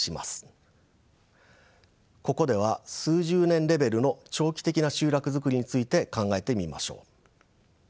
ここでは数十年レベルの長期的な集落づくりについて考えてみましょう。